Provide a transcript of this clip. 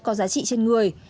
có giá trị trên người